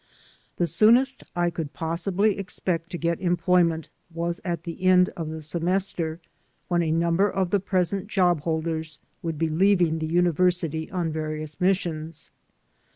The soonest I could possibly expect to get employment was at the end of the semester, when a number of the present job holders would be leaving the university on various missions.